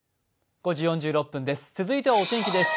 続いてはお天気です。